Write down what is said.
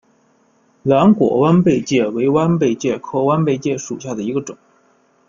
蓝果弯贝介为弯贝介科弯贝介属下的一个种。